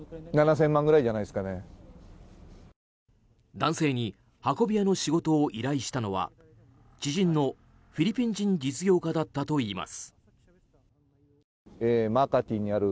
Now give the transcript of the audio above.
男性に運び屋の仕事を依頼したのは知人のフィリピン人実業家だったといいます。